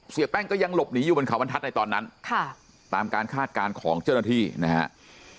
เสียแป้งก็ยังหลบหนีอยู่บนเขาบรรทัศน์ในตอนนั้นค่ะตามการคาดการณ์ของเจ้าหน้าที่นะครับ